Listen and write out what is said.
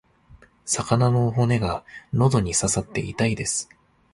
魚の骨が喉に刺さって痛いです。